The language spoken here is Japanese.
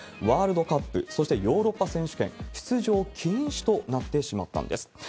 ワールドカップ、そしてヨーロッパ選手権、出場禁止となってしまったんです。